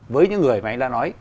với những người mà anh đã nói